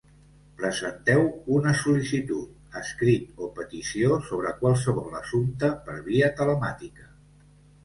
Presenteu una sol·licitud, escrit o petició sobre qualsevol assumpte, per via telemàtica.